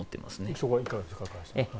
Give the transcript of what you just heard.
そこはいかがですか。